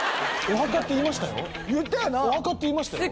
お墓って言いましたよ。